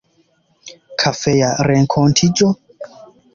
Kafeja renkontiĝo?